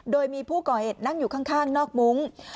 โดยมีผู้ก่อเหตุนั่งอยู่ข้างนอกมุ้ง